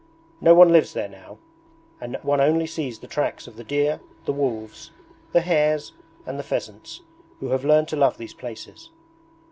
No one lives there now, and one only sees the tracks of the deer, the wolves, the hares, and the pheasants, who have learned to love these places.